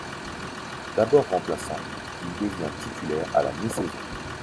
D'abord remplaçant, il devient titulaire à la mi-saison.